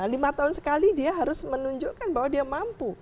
lima tahun sekali dia harus menunjukkan bahwa dia mampu